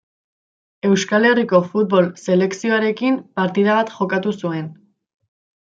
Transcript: Euskal Herriko futbol selekzioarekin partida bat jokatu zuen.